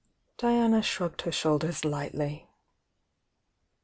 Diana shrugged her shoulders lightly.